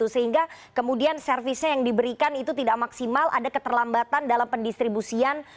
sehingga kemudian servisnya yang diberikan itu tidak maksimal ada keterlambatan dalam pendistribusian